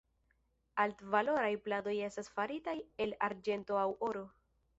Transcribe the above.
Altvaloraj pladoj estas faritaj el arĝento aŭ oro.